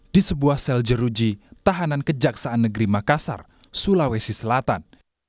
di sebuah sel jeruji tahanan kejaksaan negeri makassar sulawesi selatan